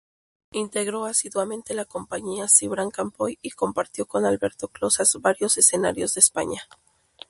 Integró asiduamente la compañía Cibrián-Campoy y compartió con Alberto Closas varios escenarios de España.